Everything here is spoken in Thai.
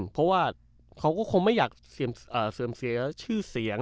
เพราะว่าเขาก็คงไม่อยากเสื่อมเสียชื่อเสียง